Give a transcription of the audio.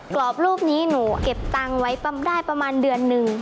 กรอบรูปนี้หนูเก็บตังค์ไว้ได้ประมาณเดือนหนึ่ง